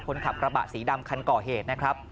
คนขับกระบะสีดำคันก่อเหตุนะครับ